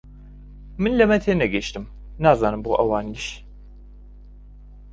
من لەمە تێنەگەیشتم، نازانم بۆ ئەوانیش